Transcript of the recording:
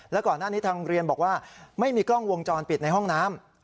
แล้วก่อนหน้านี้ทางโรงเรียนบอกว่าไม่มีกล้องวงจรปิดในห้องน้ำ